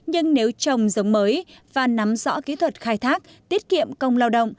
nhưng nếu trồng giống mới và nắm rõ kỹ thuật khai thác tiết kiệm công lao động